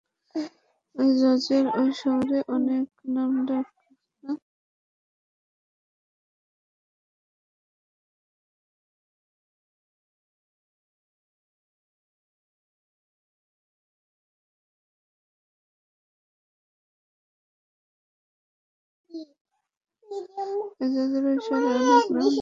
ঐ জজের এই শহরে অনেক নাম-ডাক, না?